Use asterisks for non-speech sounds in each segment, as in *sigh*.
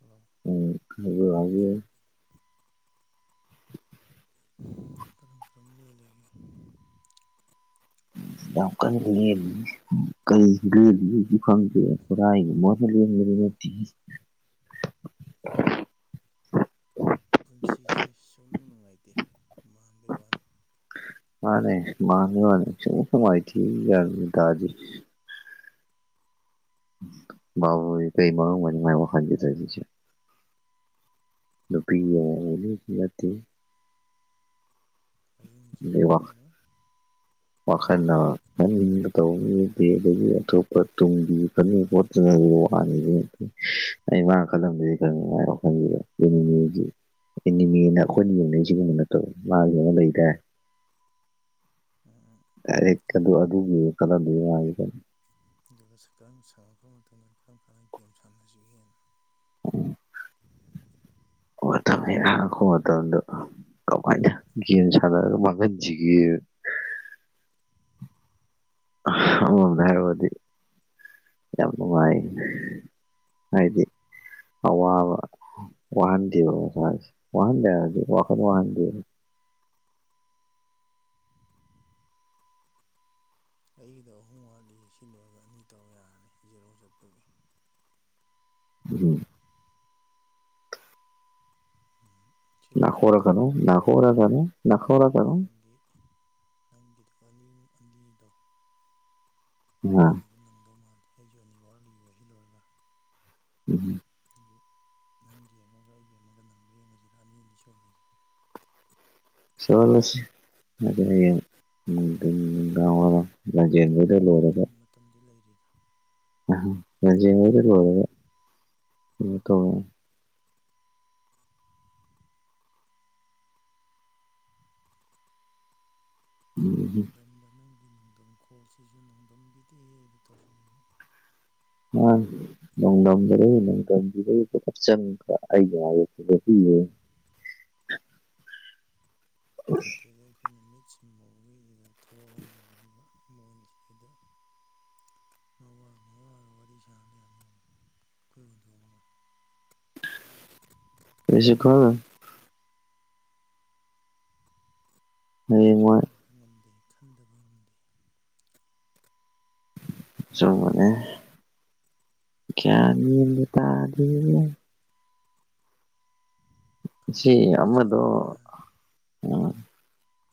hello ꯎꯝ ꯍꯥꯏꯕ ꯌꯥꯏꯌꯦ ꯀꯔꯝ ꯀꯔꯝ ꯂꯦꯜꯂꯤꯒꯦ *inaudible* ꯌꯥꯝ ꯀꯟꯅ ꯂꯦꯜꯂꯤ ꯀꯩꯁꯨ ꯂꯦꯜꯂꯤ ꯍꯧꯁꯨ ꯈꯪꯗꯦ ꯍꯣꯔꯥꯏꯒꯤ ꯃꯍꯨꯠ ꯂꯦꯟꯕꯁꯤꯗꯤ *inaudible* ꯄꯨꯟꯁꯤꯁꯦ ꯁꯨꯡꯅꯨꯡ ꯅꯨꯡꯉꯥꯏꯇꯦ ꯃꯥꯟꯕꯒꯤ ꯋꯥꯅꯤ ꯃꯥꯅꯦ ꯃꯥꯅꯤ ꯃꯥꯅꯦ ꯁ ꯁꯃꯥꯏꯇ ꯌꯥꯔ ꯗꯗꯤ ꯃꯥꯕꯨ ꯀꯩ ꯃꯔ ꯃꯅꯤ ꯃꯥ ꯋꯥ ꯈꯥꯟꯕꯤ ꯇꯁꯤꯦ ꯅꯨꯗꯨꯄꯤꯒꯤ ꯑꯌꯨꯡꯖꯧ ꯈꯣ ꯋꯥꯈꯜꯅꯟꯕ ꯇꯧꯕ ꯃꯤ ꯑꯗꯒꯤ ꯑꯇꯣꯞꯄ ꯇꯨꯡꯕꯤ ꯐꯣ ꯋꯥꯅꯤ ꯑꯩ ꯃꯥ ꯀꯗꯗꯗꯤ ꯀꯔꯤꯉꯥꯏ ꯋꯥꯈꯟꯒꯤ ꯑꯦꯅꯤꯃꯦꯅ ꯑꯩꯈꯣꯏꯅ ꯌꯦꯡꯅꯩ ꯁꯤꯒꯨꯝꯕ ꯅꯠꯇꯕ ꯃꯥꯒꯤ ꯑꯃ ꯂꯩꯈ꯭ꯔꯦ ꯎꯝ ꯎꯝ ꯑꯗꯨꯒꯤ ꯀꯗꯥ ꯂꯩꯣ ꯍꯥꯏꯒ ꯑꯗꯨꯒ ꯁ ꯀꯔꯝ ꯁꯥꯟꯉꯛꯄ ꯃꯇꯝꯗ ꯀꯔꯝ ꯀꯔꯝꯕ ꯒꯦꯝ ꯁꯥꯟꯅꯁꯤꯒꯦꯅ ꯄ ꯃꯇꯝꯗ ꯀꯃꯥꯏꯅ ꯒꯦꯝ ꯁꯥꯟꯅꯔꯒ ꯃꯥꯡꯍꯟꯁꯤꯒꯦ ꯑ ꯒꯕꯗꯤ ꯌꯥꯝꯉꯥꯏ ꯍꯥꯏꯗꯤ ꯑ ꯋꯥ ꯋꯥꯍꯟꯗꯤ ꯋꯥꯍꯟꯗ ꯑꯗꯨ ꯋꯥꯈ ꯋꯥꯍ ꯑꯩꯒꯤꯗ ꯑꯍꯨꯝ ꯋꯥꯠꯂꯤ ꯁꯤꯜꯂꯨꯔꯒ ꯑꯅꯤ ꯇꯧ ꯌꯥꯔꯅꯤ ꯖꯦꯔꯣ ꯆꯠꯄꯒꯤ ꯎꯝ ꯑ ꯅꯥꯈꯔꯥꯅ ꯅꯥꯈꯔꯥ ꯅꯥꯈꯔꯥꯒ ꯒꯤ ꯅꯪꯒꯤꯗꯣ ꯑꯅꯤꯃ ꯑꯅꯤꯗꯣ ꯑ ꯅꯪ ꯑꯅꯤ ꯑꯗꯨ ꯅꯪꯗꯧ ꯃꯥꯜꯂꯦ ꯑꯩꯁꯨ ꯑꯅꯤ ꯋꯥꯠꯂꯤ ꯋꯥꯁꯤꯜꯂꯣꯏꯔꯒ ꯎꯝ ꯑꯗꯨ ꯅꯪꯒꯤ ꯑꯃꯒ ꯑꯩꯒꯤ ꯑꯃꯒ ꯅꯪꯕ ꯌꯦꯡꯉꯁꯤ ꯔꯥꯅꯤ ꯑꯅꯤ ꯁꯣꯜꯂꯁꯤꯦ ꯁꯂꯁꯤ ꯑ ꯎꯝ ꯑꯗꯨꯝ ꯃꯣꯏ ꯃꯇꯝꯗꯤ ꯂꯥꯟꯖꯦꯟꯗꯨꯗ ꯃꯇꯝ ꯂꯣꯏꯔꯒ ꯃꯇꯝꯗꯤ ꯂꯩꯔꯤꯗꯥ ꯑ ꯌꯥꯝꯔ ꯋꯥ ꯎꯝ ꯇꯉꯦ ꯎꯝ ꯅꯣꯡꯗꯝꯝꯕ ꯅꯪꯒꯤ ꯅꯣꯡꯗꯝꯈꯣꯜꯁꯤꯁꯨ ꯅꯣꯡꯗꯝꯕꯤꯗꯤ ꯍꯦꯅ ꯇꯧꯖꯦ ꯑ ꯂꯣꯡ ꯂꯣꯡꯗꯔ ꯂꯣꯡꯗꯪꯔ ꯆꯞ ꯆꯪ ꯑꯩ ꯌꯥ ꯁꯤꯗꯩꯗ ꯑꯩꯈꯣꯏꯅ ꯃꯤꯠꯁꯤꯡꯐꯥꯎꯒꯤꯁꯤꯗ ꯊꯕꯛ ꯍꯣꯠꯅꯔꯤ ꯑꯗꯨꯒ ꯃꯣꯏꯅꯤꯁꯨꯗ ꯃꯋꯥ ꯃꯋꯥꯒ ꯋꯥꯔꯤ ꯁꯥꯟꯅꯔꯝ ꯒꯤꯅꯤ ꯑꯩꯈꯣꯏ ꯍꯨꯟꯗꯣꯛꯑꯒ *unintelligible* ꯀꯩꯁꯨ ꯈꯜ ꯍꯌꯦꯡꯋꯥꯏ ꯈꯟꯘꯕ ꯉꯝꯗꯦ ꯈꯟꯗꯕ ꯉꯝꯗꯦ ꯑꯆꯨꯝꯕꯅꯦ ꯒꯤꯌꯟ ꯃꯦꯟꯒ ꯇꯘ꯭ꯔꯦꯘ ꯁꯤ ꯐꯖꯅ ꯄꯤꯖꯔꯦꯅꯦ ꯍꯥ ꯑꯃꯗꯣ ꯎꯝ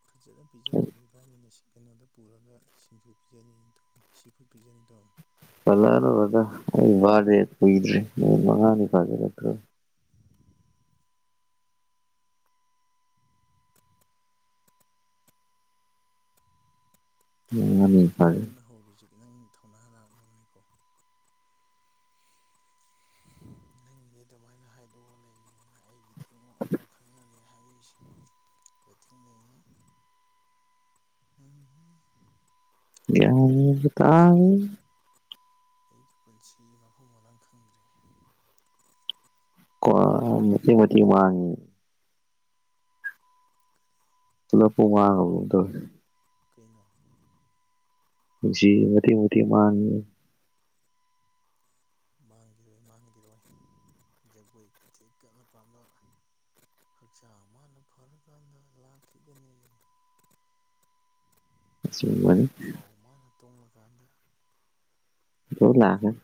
ꯐꯖꯅ ꯄꯤꯖꯔꯦꯕ ꯏꯕꯥꯅꯤꯅ ꯀꯩꯅꯣꯗ ꯄꯨꯔꯒ ꯁꯤꯡꯖꯨ ꯄꯤꯖꯅꯤ ꯇꯧ ꯁꯤꯐꯨꯠ ꯄꯤꯖꯅꯤ ꯇꯧꯔꯝꯕꯗꯣ ꯄꯟꯂꯛ ꯑꯅꯨ ꯕ꯭ꯔꯥꯗ꯭ꯔ ꯑꯩꯋꯘꯤꯅꯨꯃꯤꯠ ꯃꯉꯥꯅꯤ ꯐꯖꯤꯟꯂꯛꯇ꯭ꯔꯦ *unintelligible* *unintelligible* ꯑꯩ ꯃꯉꯥꯅꯤ ꯅꯪꯉꯣꯟꯗ ꯐꯥꯔꯦ ꯇꯠꯇꯅ ꯍꯧꯔꯤꯁꯤ ꯅꯪ ꯊꯧꯅꯥ ꯂꯥꯛꯅꯕꯅꯤꯀꯣ ꯅꯪꯒꯤꯗꯤ ꯑꯗꯨꯃꯥꯏꯅ ꯍꯥꯏꯗꯣꯛꯑ ꯂꯩꯅ ꯑꯩꯒꯤꯗꯤ ꯤꯃ ꯑꯃ ꯈꯪꯅꯔꯦ ꯍꯥꯏꯔꯏꯁꯦ ꯋꯦꯇꯤꯡ ꯂꯩꯉ ꯑ ꯌꯥ ꯇꯥꯡ ꯑꯩꯒꯤ ꯄꯨꯟꯁꯤ ꯃꯐꯝꯨꯡ ꯃꯔꯥꯡ ꯈꯪꯗ꯭ꯔꯦ ꯀ ꯃꯇꯤ ꯃꯇꯦꯡ ꯃꯥꯡꯉꯦ ꯄꯨꯂꯞꯄꯨ ꯃꯥꯡꯉꯕ ꯀꯧꯅꯣꯝ ꯇꯧ ꯀꯩꯅꯣ ꯄꯨꯟꯁꯤꯁꯦ ꯃꯇꯦꯛ ꯃꯇꯦꯛ ꯃꯥꯥꯡꯉꯦꯕ ꯃꯥꯡꯈꯤꯔꯣꯏ ꯃꯥꯡꯈꯤꯔꯣꯏ ꯖꯒꯣꯏ ꯈꯨꯊꯦꯛ ꯀꯠꯂꯀꯥꯟꯗ ꯍꯛꯆꯥꯡ ꯃꯅ ꯐꯔꯀꯥꯟꯗ ꯂꯥꯛꯈꯤꯒꯅꯤ ꯎ ꯏꯈꯧ ꯃꯅꯥ ꯇꯣꯡꯂ ꯀꯟꯗꯥ ꯂꯣꯏ ꯂꯛꯀꯥꯅꯤ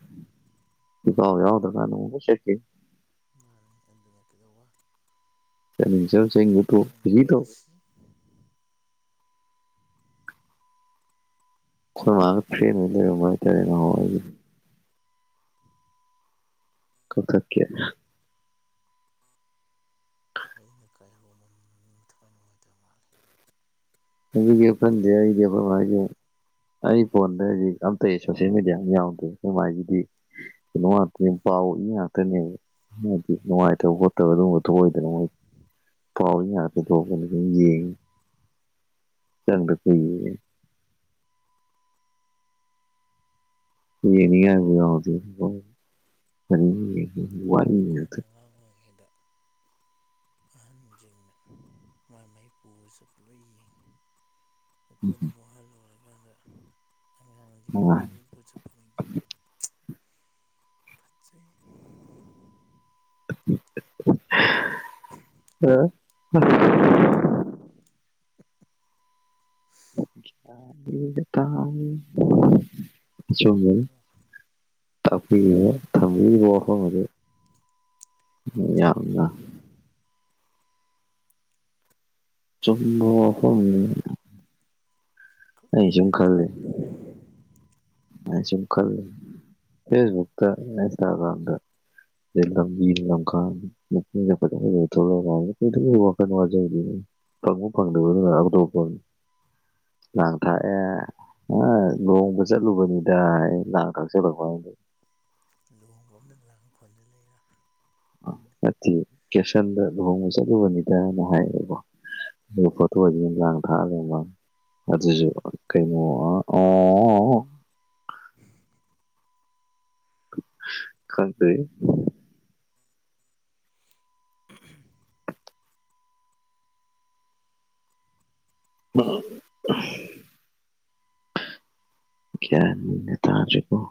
ꯐꯤꯈꯧ ꯃꯅꯥ ꯌꯧꯘ꯭ꯔꯥ ꯀꯟꯘꯥꯂꯣꯏ ꯆꯠꯈꯤꯅꯤ ꯃꯥꯅꯤ ꯑꯗꯨꯅ ꯀꯩꯗꯧꯕ ꯆꯠꯅꯤꯡ ꯆꯠꯂꯨ ꯆꯠꯅꯤꯡꯕ ꯈꯥꯎ ꯇꯣꯛꯎ ꯇꯣꯡꯅꯕ ꯀꯨꯁꯤ ꯇꯧ ꯍꯣꯠꯅꯁꯤ ꯑꯩꯈꯣꯏ ꯃꯥꯒꯥ ꯐ꯭ꯔꯦꯟ ꯑꯣꯔꯥ ꯂꯩꯔꯝꯕ ꯍꯥꯏꯇꯥꯔꯦꯅꯦ ꯉꯍꯟꯋꯥꯏꯒꯤꯘꯣ *unintelligible* *inaudible* ꯀꯛꯊꯠꯀꯦ ꯑꯩꯅ ꯀꯥꯏ ꯍꯧꯃꯟꯘꯅꯥ ꯅꯊ꯭ꯋꯥꯏ ꯅꯨꯡꯉꯥꯏꯇꯕ ꯃꯥꯜꯂꯤ ꯍꯧꯒꯤ ꯐꯟꯗꯦ ꯑꯩꯒꯤ ꯇꯧꯒꯅꯨꯍꯦ ꯑꯩꯁ ꯅꯪ ꯑꯩ ꯐꯣꯟꯗꯦ ꯇꯧꯒꯅꯨꯍꯦ ꯍꯧꯖꯤꯛ ꯑꯇꯩ ꯁꯣꯁꯦꯜ ꯃꯦꯗꯤꯌꯥ ꯑꯃ ꯌꯥꯎꯗ꯭ꯔꯦ ꯁ ꯍꯥꯏꯁꯤꯗꯤ ꯀꯣ ꯉꯥꯛꯇ ꯄꯥꯎ ꯏ ꯉꯥꯛꯇꯅꯦ ꯅꯨꯡꯉꯥꯏꯇꯕ ꯈꯣꯠꯇꯕ ꯑꯗꯨꯝꯕ ꯇꯑꯣꯏꯗꯅ ꯃꯣꯏ ꯄꯥꯎ ꯉꯥꯛꯇ ꯊꯣꯛꯣꯛꯗꯅ ꯁꯨꯝ ꯌꯦꯡꯉꯤ ꯆ ꯀ *unintelligible* ꯌꯦꯅꯤꯕꯗ ꯋꯥ ꯑꯩꯈꯣꯏꯅ *unintelligible* ꯑꯉꯥꯡ ꯑꯣꯏꯔꯤꯉꯩꯗ *unintelligible* *inaudible* ꯑꯍꯟꯁꯤꯡꯅ ꯃꯥꯏ ꯃꯥꯏ ꯄꯨꯕꯁꯨ ꯄꯨꯂꯣꯏ ꯌꯦꯡꯉꯤ ꯑꯩꯈꯣꯏꯅ ꯋꯥꯨꯍꯜꯂꯔꯀꯥꯟꯗ ꯑꯉꯥꯡꯁꯤꯡꯗ ꯄꯨꯕ ꯆꯠꯄ ꯃꯤꯠꯌꯦꯡ ꯐꯠꯆꯩ ꯑ ꯇꯥ ꯆꯨꯝꯦ ꯆꯤꯟꯗ꯭ꯔꯣ ꯇꯄꯤ ꯇꯝꯜ ꯋꯥꯐꯝ ꯑꯗꯨ ꯐꯠꯆꯕꯅꯦ ꯌꯥꯝꯅ ꯆꯃꯕ ꯋꯥꯐꯝꯅꯦ ꯀꯛꯅꯤꯡꯉꯥꯏ ꯑꯃꯝꯇ ꯌꯥꯎꯒꯗꯕꯅꯤ ꯀꯜ ꯐꯦꯁꯛ ꯏꯟꯁꯒ꯭ꯔꯝ ꯀ ꯂꯝ ꯂ ꯋꯥ ꯇꯪꯕ ꯐꯪꯗꯕ ꯑꯗꯨꯀ ꯑꯇꫭꯞꯄꯅꯤ ꯂꯥꯡꯊꯥꯛ ꯑꯦ ꯑꯥ ꯂꯣꯡ ꯆꯠꯂꯨꯕꯅꯤꯗ ꯂꯥꯡ ꯊꯛꯆꯜꯂꯛꯄꯗ ꯂꯨꯍꯣꯡꯕ ꯑꯝꯗ ꯂꯥꯡ ꯈꯣꯟꯖ ꯂꯩꯔꯥ ꯅꯠꯇꯦ ꯀꯦꯞꯁꯟꯗ ꯂꯨꯍꯣꯡꯕ ꯆꯠꯂꯨꯕꯅꯤꯗꯅ ꯍꯥꯏꯕꯀꫭ ꯑꯩꯅ ꯀꫭꯊꫭꯛꯏꯖꯤ ꯂꯥꯡ ꯊꯥꯛ ꯂꯩꯔꯝꯕꯌ ꯑꯗꯨꯁꯨ ꯀꯩꯅ ꯑ ꯑꯣ *unintelligible* ꯈꯪꯗꯔꯦꯍꯦ ꯑ *unintelligible* ꯒꯌꯥꯟ ꯃꯦꯟꯒ ꯇꯥꯗꯔꯦꯀꫭ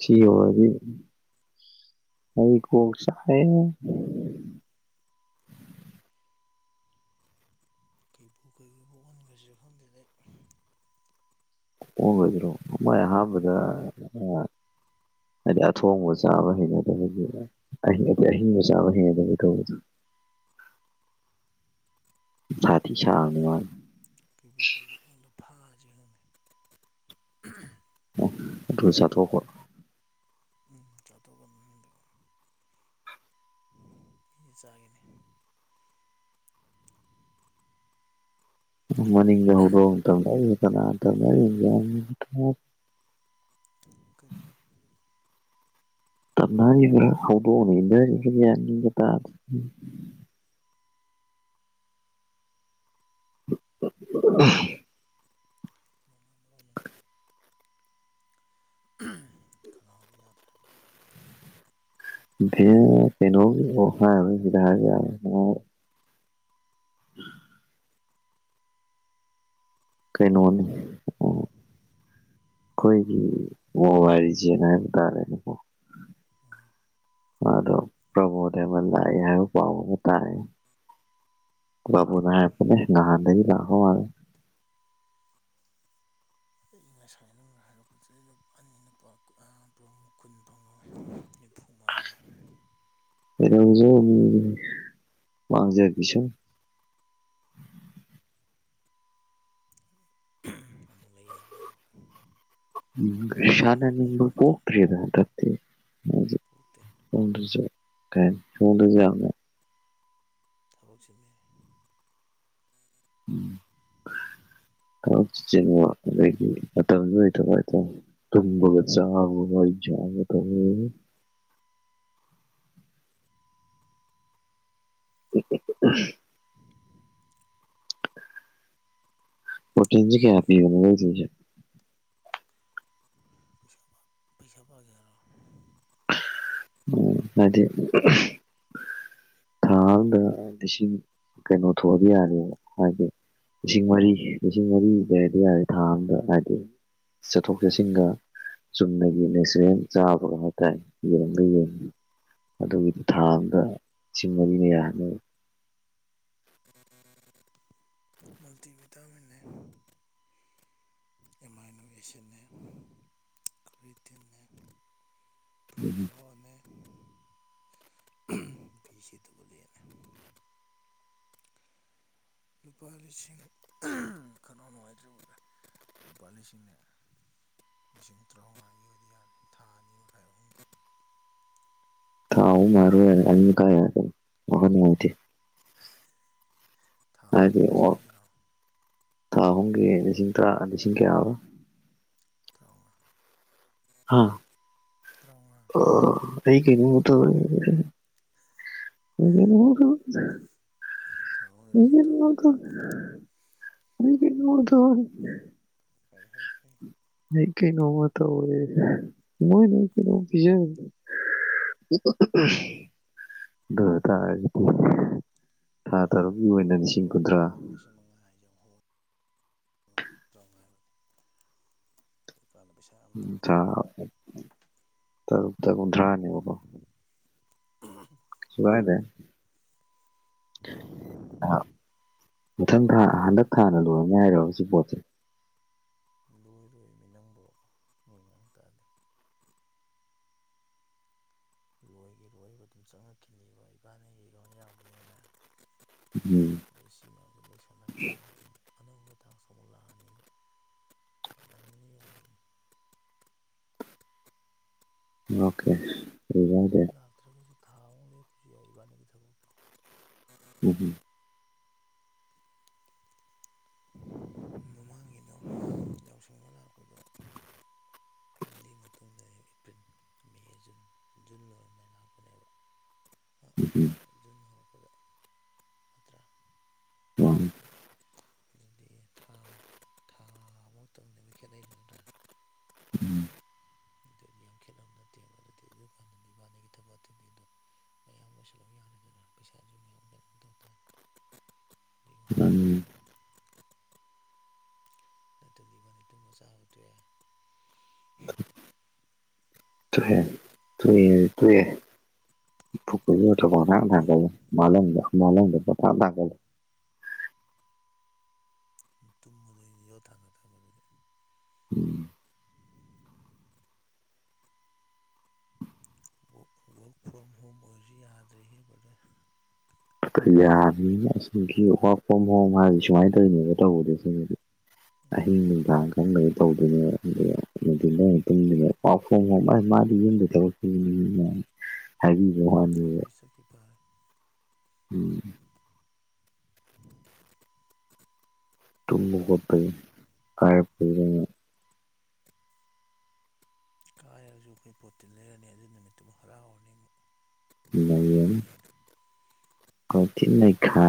ꯁꯤꯌꯧꯔꯗꯤ ꯑꯩ ꯀꯣꯛ ꯆꯥꯛꯑꯦ ꯀꯩꯕꯨ ꯀꯩꯔꫭꯏꯕ ꯑꯣꯟꯈ꯭ꯔꯁꯤꯔ ꯈꯪꯗꯦꯗ ꯑꯩ ꯑꫭꯟꯕꯩꯗꯨꯔꫭ ꯃꫭꯏ ꯑꯍꯥꯟꯕꯗ ꯍꯥꯏꯗꯤ ꯑꯊꯣꯡꯕ ꯆꯥꯕ ꯍꯩꯅꯗꯕꯒꯤꯑꯩꯗꯤ ꯑꯍꯤꯡꯕ ꯆꯥꯕ ꯍꯩꯅꯗꯕꯩ ꯇꯧꯕꯗꫭ ꯁꯥ ꯊꯤ ꯁꯥꯕꯅꯦꯃꯥ ꯀꯩꯕꯨ ꯀꯩꯕꯨ ꯑꯣꯟꯕ ꯊꯥꯒꯖꯤꯔ ꯈꯪꯗꯦ ꯑꫭ ꯑꯗꯨꯒ ꯆꯥꯊꫭꯛꯄ ꯎꯝ ꯆꯥꯊꯣꯛꯀꯅꯨꯍꯦ ꯑꯩꯅꯤ ꯃꯤꯗꯤ ꯆꯥꯒꯦꯅꯦ ꯃꯅꯤꯡꯗ ꯍꯧꯗꯣꯛꯇꯕꯅꯦ ꯑꯩ ꯀꯅꯥ ꯃꯇꯝꯗ ꯑꯩ *unintelligible* ꯀꯔꯤꯔꯥ ꯇꯝꯅꯩꯔ ꯍꯧꯗꫭꯡꯅ ꯏꯟꯅꯩꯔ ꯌꯥꯟꯃꯦꯟꯒ ꯇꯥꯗꯔꯦ *unintelligible* ꯅꯅꯨꯡꯉꯕ꯭ꯔꯣ ꯃꯗ *unintelligible* ꯎꯝ ꯈꯅꯥꯎꯖꯤ ꯌꯥꯗꯔꯦ ꯇꯩꯅꯣ ꯑꯣꯍꯥꯁꯤꯗꯒ *unintelligible* ꯎ *unintelligible* ꯀꯩꯅꯣꯅꯤ ꯑꯣ ꯑꯩꯈꯣꯏꯒꯤ ꯃꫭꯕꯥꯜꯂꯤꯖꯦꯟ ꯍꯥꯏꯕ ꯇꯥꯔꯦ ꯑꯗꯨꯕꯨ ꯑ ꯃꯥꯗꫭ ꯄ꯭ꯔꯃꫭꯗꯥꯏꯃꯟ ꯂꯥꯛꯑꯦ ꯍꯥꯏꯕ ꯄꯥꯎ ꯑꯃ ꯇꯥꯏꯌꯦ ꯂꯕꯨꯅ ꯍꯥꯏꯔꯛꯅꯦ ꯅꯍꯥꯟꯗꯒꯤ ꯂꯥꯛꯄ ꯃꯥꯜꯂꯦ ꯑꯩ ꯉꯁꯥꯏ ꯅ ꯍꯥꯏꯔꯛꯄꯗ ꯂ ꯑꯅꯤ ꯂꯨꯄꯥ ꯄꯨꯡꯛ ꯀꯨꯟ ꯐꯪꯍꯧꯋꯤ *unintelligible* ꯅꯤꯐꯨ ꯃꯥꯡꯒꯔꯦ ꯀꯩꯗꯧꯖꯔꯨꯅꯦꯒꯦ ꯃꯥꯡꯖꯈꯤꯁꯅꯨ ꯑꯃꯨꯛ ꯂꯩ ꯌꯥꯕꯗꫭ ꯁꯥꯟꯅ ꯅꯤꯡꯕ ꯄꫭꯛꯇꯔꯦꯕ ꯍꯟꯗꯛꯇꯤ ꯑꯩꯖꯤ ꯄꯣꯛꯇꯦ ꯀꯩ ꯁꫭꯝꯗꯖꯨ ꯑꯃꯨꯛ ꯊꯕꯛ ꯆꯤꯟꯕꯩꯅꯤ ꯊꯕꯛꯁꯨ ꯆꯤꯟꯕ ꯑꯗꯒꯤ ꯃꯇꯝꯖꯨ ꯂꯩꯇꯕ ꯍꯥꯏꯇꯥꯔꯦ ꯇꯨꯝꯕꯒ ꯆꯥꯕꯒ *unintelligible* ꯎ *unintelligible* ꯄꯣꯇꯤꯟꯖꯦ ꯀꯌꯥ ꯄꯤꯕꯅꫭ ꯑꯣꯏꯅꯤꯡꯕ ꯈꯪꯗꯦꯅꯦ ꯂꯤꯁꯤꯡ ꯑꯃ ꯄꯩꯁꯥ ꯄꯥꯒꯦ ꯍꯥꯏꯔꫭ ꯎꯝ ꯅꯠꯇꯦ ꯉꯔꯥꯡꯗ ꯂꯤꯁꯤꯡ ꯀꯩꯅꯣ ꯊꯣꯛꯑꯗꯤ ꯌꯥꯔꯦꯅ ꯍꯥꯏꯒꯤ ꯂꯤꯁꯤꯡ ꯃꯔꯤ ꯂꯤꯁꯤꯡ ꯃꯔꯤ ꯂꯩꯗꯤ ꯌꯥꯔꯦ ꯊꯥ ꯑꯝꯗ ꯍꯥꯏꯗꯤ ꯆꯠꯊꯣꯛꯦ ꯆꯠꯁꯤꯟꯒ ꯆꯨꯝꯅꯒꯤ ꯅꯦꯆꯂꯦꯜ ꯆꯥꯕ꯭ꯔꯒ ꯍꯥꯏꯇꯥꯔꯦ ꯌꯦꯡꯗꯤ ꯌꯦꯡ ꯑꯗꯨꯒꯤꯗꯤ ꯊꯥ ꯑꯃꯗ ꯂꯤꯁꯤꯡ ꯃꯔꯤꯅ ꯌꯥꯔꯅꯦꯕ ꯃꯜꯇꯤ ꯕꯤꯇꯥꯃꯤꯟꯅꯦ ꯑꯦꯃꯥꯏꯅꯣ ꯑꯦꯁꯤꯠꯅꯦ ꯀ꯭ꯔꯤꯇꯤꯟꯅꯦ ꯄ꯭ꯔꯤꯒꯣꯍꯣꯟꯅꯦ ꯕꯤꯁꯤꯇꯨꯒꯨꯂꯦꯟꯅꯦ ꯂꯨꯄꯥ ꯂꯤꯁꯤꯡ ꯈꯅꯥꯎ ꯅꯨꯡꯉꯥꯏꯇ꯭ꯔꯦ ꯋꯤꯕ꯭ꯔ ꯂꯨꯄꯥ ꯂꯤꯁꯤꯡꯅꯦ ꯂꯤꯁꯤꯡ ꯇ꯭ꯔꯥꯎꯉꯥꯒꯤ ꯑꯣꯏꯗꯤ ꯌꯥꯔꯦ ꯊꯥ ꯑꯅꯤ ꯃꯈꯥꯏ ꯑꯍꯨꯝꯒꯤ ꯊꯥ ꯑꯍꯨꯝ ꯃꯔꯤ ꯍꯥꯏꯗꯤ ꯑꯅꯤ ꯈꯔ ꯍꯦꯟꯗ꯭ꯔꯗꯤ ꯋꯥꯈꯟ ꯅꯨꯡꯉꯥꯏꯇꯦ *inaudible* ꯍꯥꯏꯗꯤ ꯑꯣ ꯂꯤꯁꯤꯜꯂꯁꯤꯔꯣ ꯊꯥ ꯑꯍꯨꯝꯒꯤ ꯂꯤꯁꯤꯡ ꯇꯔꯥ ꯂꯤꯁꯤꯡ ꯀꯌꯥ ꯑꯕ ꯇ꯭ꯔꯥꯎꯉꯥ ꯍꯥ ꯇ꯭ꯔꯥꯎꯉꯥ ꯑꯣ ꯑꯩ ꯀꯩꯅꯣꯝꯃ ꯇꯧꯔꯦ ꯑꯩ ꯀꯩꯅꯣꯝꯃ ꯇꯧꯏ ꯊꯥ ꯑꯍꯨꯝꯒꯤ ꯑꯩ ꯂꯤꯁꯤꯡ ꯀꯩꯅꯣꯝꯃ ꯇꯔꯥꯃꯉꯥ ꯇꯧꯔꯦ ꯑꯩ ꯀꯩꯅꯣꯝꯃ ꯇꯧꯔꯦ ꯍꯥꯏ ꯍꯥꯏ ꯍꯥꯏ ꯅ ꯀꯅꯣꯡꯃ ꯇꯧꯋꯦ ꯏꯃꯥꯏ ꯅꯣꯏ ꯀꯩꯅꯣꯝ ꯄꯤꯖꯧ ꯑꯗꯨꯑꯣꯏ ꯇꯥꯔꯗꯤ ꯊꯥ ꯑꯩ ꯌꯥꯝ ꯇꯔꯨꯛꯀꯤ ꯑꯣꯏꯅ ꯍꯣꯡꯉꯕꯅꯤꯀꯣ ꯂꯤꯁꯤꯡ ꯊꯥ ꯀꯨꯟꯊ꯭ꯔꯥ ꯑꯃꯗ ꯂꯤꯁꯤꯡ ꯃꯉꯥ ꯍꯥꯏꯖꯦ ꯌꯥꯝ ꯍꯣꯡꯒꯦ ꯇ꯭ꯔꯥꯎꯉꯥ ꯍꯥꯏꯕ ꯗꯨꯀꯥꯟꯗ ꯄꯩꯁꯥ ꯌꯥꯝ ꯇꯥꯡ ꯊꯥ ꯌꯥꯔꯦ ꯑꯃꯨꯛ ꯇꯔꯨꯛꯇ ꯀꯨꯟꯊ꯭ꯔꯥꯅꯦꯕꯀꯣ ꯎꯝ ꯁꯨꯒꯥꯏꯗꯦ ꯑ ꯃꯊꯪ ꯊꯥ ꯍꯟꯗꯛ ꯊꯥꯅ ꯂꯣꯏꯔꯅꯤ ꯍꯥꯏꯔꯣꯕ ꯁꯤ ꯄꯣꯠꯁꯦ ꯂꯣꯏꯔꯣꯏꯃꯤ ꯅꯪꯕꯣ ꯃꯤ ꯉꯥꯡ ꯇꯥꯗꯦ ꯂꯣꯏꯒꯤꯔꯣꯏꯕ ꯑꯗꯨꯝ ꯆꯪꯉꯛꯈꯤꯅꯤꯕ ꯏꯕꯥꯅꯤꯒꯤ ꯑꯦꯀꯥ꯭ꯎꯟ ꯌꯥꯝꯕꯅꯤꯅꯅꯦ ꯎꯝ ꯑꯗꯣ ꯁꯤ ꯃꯌꯥꯝꯖꯦ ꯂꯣꯏꯁꯤꯜꯂꯀꯥꯟꯗꯗꯤ ꯑꯃꯨꯛ ꯑꯅꯧꯕ ꯇꯥꯛꯁ ꯑꯃꯨꯛ ꯂꯥꯛꯑꯅꯦꯕ ꯅꯪꯒꯅꯤꯕ ꯑꯗꯨꯝ ꯑꯣꯀꯦ ꯀꯩꯁꯨ ꯑꯗꯨ ꯀꯥꯏꯗꯦ ꯂꯥꯛꯇ꯭ꯔꯒꯁꯨ ꯊꯥ ꯑꯃꯨꯛ ꯂꯦꯞꯄꯁꯨ ꯌꯥꯏ ꯏꯕꯥꯅꯤꯒꯤ ꯊꯕꯛꯇꯣ ꯎꯝꯍꯨꯝ ꯃꯃꯥꯡꯒꯤꯗꯣ ꯌꯥꯎꯁꯪꯗ ꯂꯥꯛꯄꯗꯣ ꯅꯨꯡꯗꯤ ꯃꯇꯨꯡꯗ ꯑꯩ ꯑꯦꯄ꯭ꯔꯤꯟ ꯃꯦ ꯖꯨꯟ ꯖꯨꯟ ꯂꯣꯏꯔꯝꯗꯥꯏ ꯂꯥꯛꯄꯅꯦꯕ ꯑ ꯍꯧꯔꯛꯄꯗ ꯅꯠꯇ꯭ꯔꯥ ꯑꯦ ꯑꯗꯨꯗꯤ ꯊꯥ ꯊꯥ ꯑꯃꯇꯪꯅꯦꯕ ꯈꯦꯠꯅꯩꯗꯨ ꯅꯠꯇ꯭ꯔꯥ ꯑꯗꯨꯗꯤ ꯌꯥꯝ ꯈꯦꯠꯅꯕ ꯅꯠꯇꯦꯕ ꯑꯗꯨꯗꯤ ꯑꯗꯨ ꯀꯥꯟꯗꯗꯤ ꯏꯕꯥꯥꯅꯤꯒꯤ ꯊꯕꯛ ꯑꯇꯩ ꯑꯇꯩꯗꯣ ꯃꯌꯥꯝ ꯂꯣꯏꯁꯤꯜꯂꯝ ꯌꯥꯅꯤ ꯑꯗꯨꯅ ꯄꯩꯁꯥꯖꯨ ꯃꯌꯥꯝ ꯀꯩꯅꯣꯝ ꯇꯧ ꯇꯥꯔꯗꯤ ꯑꯗꯨꯏ ꯋꯥꯅꯤꯗ ꯅꯠꯇ꯭ꯔꯗꯤ ꯏꯕꯥꯅꯤ ꯇꯨꯝꯕ ꯆꯥꯕ ꯇꯣꯛꯑꯦ ꯇꯣꯛꯑꯦ ꯇꯣꯛꯑꯦꯗꯤ ꯇꯣꯛꯑꯦ ꯊꯣꯛꯄꯕꯨ ꯇꯣꯛꯑꯦ *unintelligible* ꯇꯨꯝꯕꯗꯩꯗꯤ ꯌꯣꯠ ꯊꯥꯡꯒꯠꯇꯕ ꯑꯗꯨꯗꯤ ꯎꯝ ꯋꯥꯛ ꯋꯥꯛ ꯐ꯭ꯔꯣꯝ ꯍꯣꯝ ꯑꯣꯏꯔꯖꯨ ꯌꯥꯗ꯭ꯔꯦꯍꯦ ꯕ‌꯭ꯔꯗ꯭ꯔ ꯀꯩꯌꯥꯕꯅꯤꯅ ꯑꯁꯦꯡꯀꯤ ꯋꯥꯛ ꯐ‍꯭ꯔꯣꯝ ꯍꯣꯝ ꯍꯥꯏꯔꯗꯤ ꯁꯨꯃꯥꯏ ꯇꯧꯔꯤꯅꯦꯕ ꯇꯧꯕꯗꯤ ꯑꯁꯦꯡꯕꯗꯤ ꯑꯍꯤꯡ ꯎꯝ ꯅꯨꯡꯗꯥꯡ ꯈꯪꯗꯒꯩ ꯇꯧꯗꯨꯏꯅꯦ *unintelligible* ꯅꯨꯡꯊꯤꯟꯗ ꯑꯣꯏꯅ ꯇꯨꯝꯗꯨꯏꯅꯦ ꯄꯥꯎ ꯈꯣꯡ ꯍꯣ ꯃꯥ ꯃꯥꯗꯤ ꯌꯨꯝꯗꯩ ꯊꯕꯛ *inaudible* ꯑꯣꯐꯤꯁ ꯁꯀꯤꯄꯥꯔ ꯎꯝ ꯇꯨꯝ ꯍꯣꯀꯠꯄꯅꯤ ꯀꯔ *inaudible* ꯀꯥꯏꯔꯁꯨ ꯑꯩꯈꯣꯏ ꯄꯣꯠꯇꯤ ꯂꯩꯔꯅꯤ ꯑꯗꯨ ꯅꯨꯃꯤꯠꯇꯨꯃꯨꯛ ꯍꯔꯥꯎꯔꯅꯤ ꯑꯃꯨꯛ ꯕꯨꯠ ꯅꯩꯔꯅꯤ ꯂꯩꯕꯗꯒꯤ ꯍꯦꯟꯅ ꯈꯣꯏ ꯊꯤꯅ ꯅꯩꯈꯥ